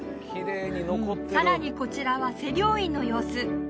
さらにこちらは施療院の様子